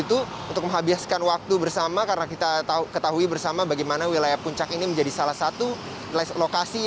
untuk menghabiskan waktu bersama karena kita ketahui bersama bagaimana wilayah puncak ini menjadi salah satu lokasi